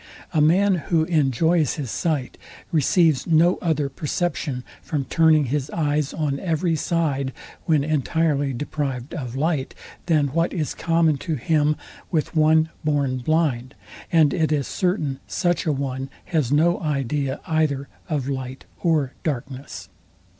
A man, who enjoys his sight, receives no other perception from turning his eyes on every side, when entirely deprived of light, than what is common to him with one born blind; and it is certain such a one has no idea either of light or darkness.